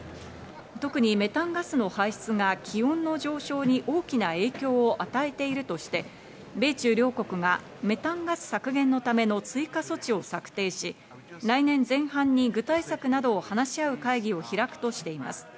特にメタンガスの排出が気温の上昇に大きな影響を与えているとして、米中両国がメタンガス削減のための追加措置を策定し、来年前半に具体策などを話し合う会議を開くとしています。